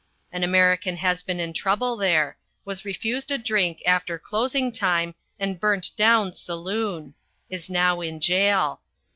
An American has been in trouble there: was refused a drink after closing time and burnt down saloon. Is now in jail.